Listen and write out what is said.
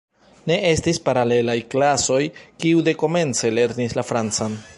Ne estis paralelaj klasoj, kiuj dekomence lernis la francan.